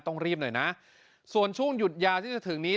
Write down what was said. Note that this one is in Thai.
ต้องรีบหน่อยนะส่วนช่วงหยุดยาวที่จะถึงนี้